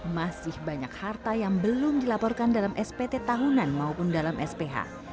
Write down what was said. masih banyak harta yang belum dilaporkan dalam spt tahunan maupun dalam sph